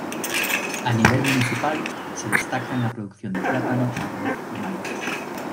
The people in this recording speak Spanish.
A nivel municipal, se destaca en la producción de plátano, arroz y maíz.